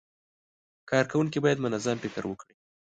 کارکوونکي باید منظم فکر وکړي.